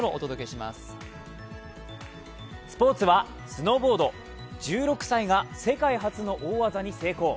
スポーツはスノーボード、１６歳が世界初の大技に成功。